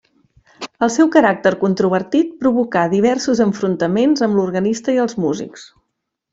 El seu caràcter controvertit provocà diversos enfrontaments amb l’organista i els músics.